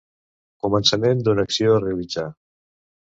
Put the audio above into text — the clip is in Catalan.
Començament d'una acció a realitzar.